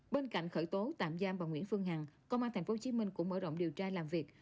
bên cạnh khởi tố tạm giam bà nguyễn phương hằng công an tp hcm cũng mở rộng điều tra làm việc